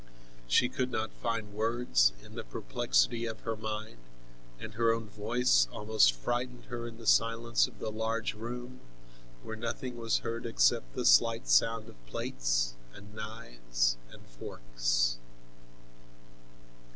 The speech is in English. She could not find words, in the perplexity of her mind, and her own voice almost frightened her in the silence of the large room, where nothing was heard except the slight sound of plates and knives and forks.